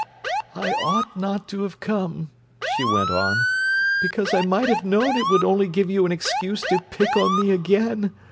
"I ought not to have come," she went on, "because I might have known it would only give you an excuse to pick on me again!